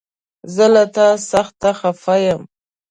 زه له تا سخته خفه يم!